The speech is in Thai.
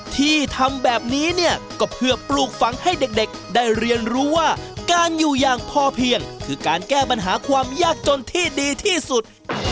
ที่ทำแบบนี้เนี่ยก็เพื่อปลูกฝังให้เด็กได้เรียนรู้ว่าการอยู่อย่างพอเพียงคือการแก้ปัญหาความยากจนที่ดีที่สุด